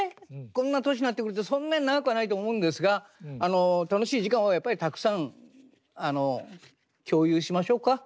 こんな年になってくるとそんなに長くはないと思うんですがあの楽しい時間はやっぱりたくさん共有しましょうか。